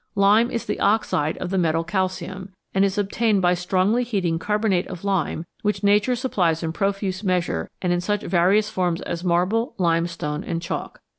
Lime is the oxide of the metal calcium, and is obtained by strongly heating carbonate of lime, which nature supplies in profuse measure and in such various forms as marble, limestone, and chalk.